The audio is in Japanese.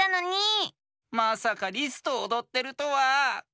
まさかリスとおどってるとは！